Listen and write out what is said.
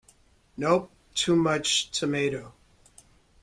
Nope! Too much tomato.